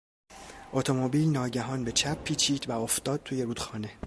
اتومبیل ناگهان به چپ پیچید و افتاد توی رودخانه.